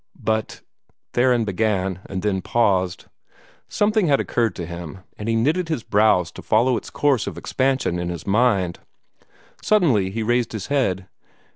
"But " Theron began, and then paused. Something had occurred to him, and he knitted his brows to follow its course of expansion in his mind. Suddenly he raised his head.